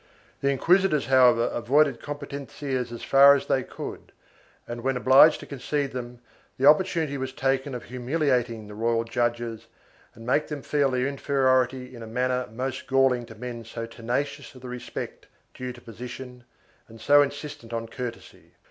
3 The inquisitors however avoided competencias as far as they could and, when obliged to concede them, the opportunity was taken of humiliating the royal judges and make them feel their inferiority in a manner most galling to men so tenacious of the respect due to position and so insistent on courtesy.